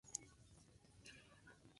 Los adultos son activos entre mayo y agosto.